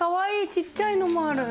ちっちゃいのもある。